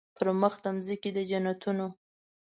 پر مخ د مځکي د جنتونو